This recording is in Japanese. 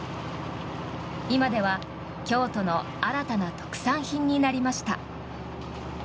今では京都の新たな特産品になりました。